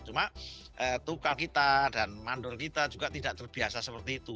cuma tukang kita dan mandor kita juga tidak terbiasa seperti itu